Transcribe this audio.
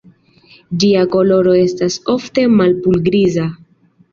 Ĝia koloro estas ofte malpur-griza.